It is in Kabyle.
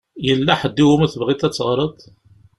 Yella ḥedd i wumi tebɣiḍ ad teɣṛeḍ?